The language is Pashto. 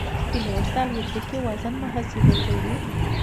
پیلوټ د الوتکې وزن محاسبه کوي.